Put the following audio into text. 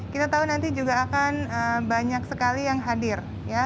kita tahu nanti juga akan banyak sekali yang hadir